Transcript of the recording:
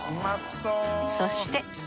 そして。